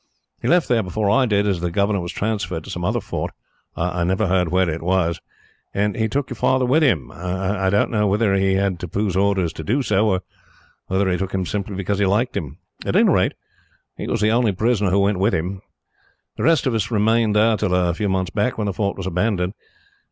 He left there before I did, as the governor was transferred to some other fort I never heard where it was and he took your father with him. I don't know whether he had Tippoo's orders to do so, or whether he took him simply because he liked him. "At any rate, he was the only prisoner who went with him. The rest of us remained there till a few months back, when the fort was abandoned.